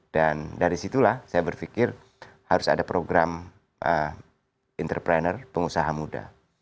dan dari situlah saya berpikir harus ada program entrepreneur pengusaha muda